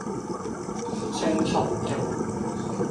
青松徑